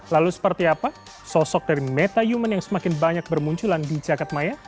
lalu seperti apa sosok dari metayumen yang semakin banyak bermunculan di cakat maya